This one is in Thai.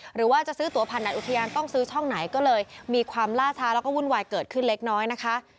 หรือว่าจะซื้อตัวผ่านไหนอุทยานต้องซื้อช่องไหนก็เลยมีความล่าช้าแล้วก็วุ่นวายเกิดขึ้นเล็กน้อยนะคะ